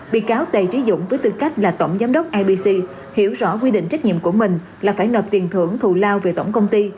bị cáo tài trí dũng với tư cách là tổng giám đốc ibc hiểu rõ quy định trách nhiệm của mình là phải nộp tiền thưởng thù lao về tổng công ty